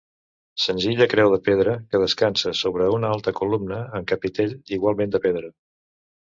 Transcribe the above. Senzilla creu de pedra que descansa sobre una alta columna amb capitell igualment de pedra.